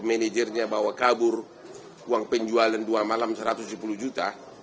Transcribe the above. managernya bawa kabur uang penjualan dua malam rp satu ratus tujuh puluh juta